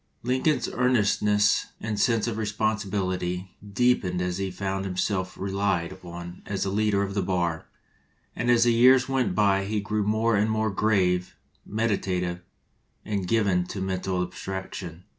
Lincoln's earnestness and sense of responsi bility deepened as he found himself relied upon as a leader of the bar; and as the years went by he grew more and more grave, meditative, and given to mental abstraction.